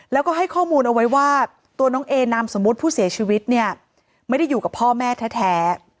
แล้วก็ให้ข้อมูลเอาไว้ว่าตัวน้องเอนามสมมุติผู้เสียชีวิตเนี่ยไม่ได้อยู่กับพ่อแม่แท้